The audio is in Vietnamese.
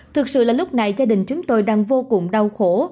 thực sự là lúc này gia đình chúng tôi đang vô cùng đau khổ